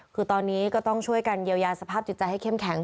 คือตอนนี้ก็ต้องช่วยกันเยียวยาสภาพจิตใจให้เข้มแข็ง